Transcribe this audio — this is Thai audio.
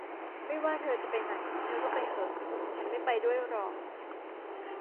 ไม่ว่าเธอจะไปไหน เธอก็ไปเหอะ ฉันไม่ไปด้วยหรอก